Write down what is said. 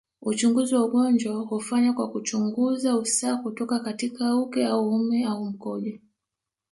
Uchunguzi wa ugonjwa hufanywa kwa kuchungunza usaha kutoka katika uke au uume au mkojo